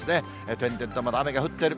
点々とまだ雨が降ってる。